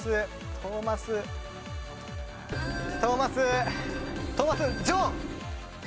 トーマストーマス・ジョン。